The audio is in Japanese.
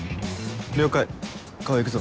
了解川合行くぞ。